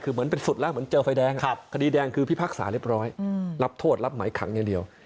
หมายคังอย่างเดียว